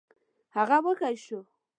هغه وږی شو.